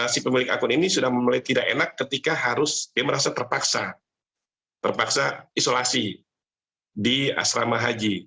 si pemilik akun ini sudah mulai tidak enak ketika harus dia merasa terpaksa terpaksa isolasi di asrama haji